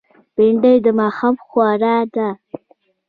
بېنډۍ د ماښام خواړه ده